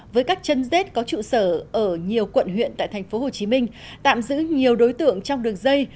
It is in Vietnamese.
với các chân rết có trụ sở ở nhiều quận huyện tại tp hcm tạm giữ nhiều đối tượng trong đường dây